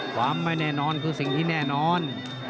ความไม่แน่นอนคือสิ่งที่แน่นอน